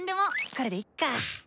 これでいっか！